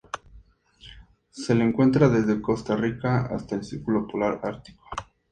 Se le encuentra desde Costa Rica hasta el círculo polar ártico.